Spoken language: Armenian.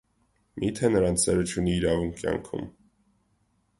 Միթե՞ նրանց սերը չունի իրավունք կյանքում։